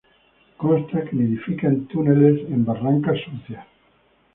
Consta que nidifica en túneles en barrancas sucias.